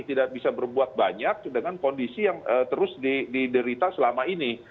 tidak bisa berbuat banyak dengan kondisi yang terus diderita selama ini